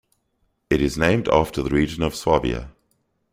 It is named after the region of Swabia.